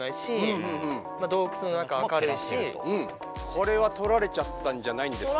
これはとられちゃったんじゃないんですか？